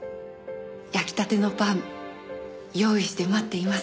焼きたてのパン用意して待っていますからって。